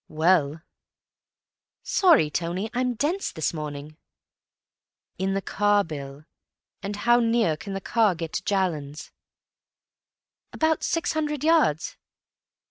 "Well." "Sorry, Tony; I'm dense this morning." "In the car, Bill. And how near can the car get to Jallands?" "About six hundred yards."